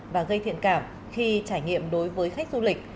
và gây thiện cảm khi trải nghiệm đối với khách du lịch